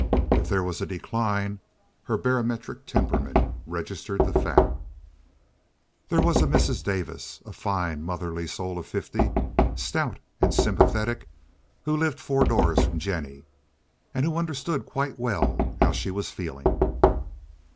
If there was a decline her barometric temperament registered the fact. There was a Mrs. Davis, a fine, motherly soul of fifty, stout and sympathetic, who lived four doors from Jennie, and who understood quite well how she was feeling.